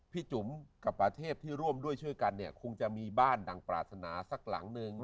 จุ๋มกับประเทศที่ร่วมด้วยช่วยกันเนี่ยคงจะมีบ้านดังปราศนาสักหลังนึง